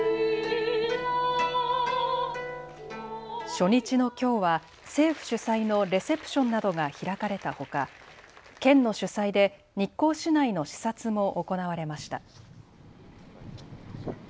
初日のきょうは政府主催のレセプションなどが開かれたほか県の主催で日光市内の視察も行われました。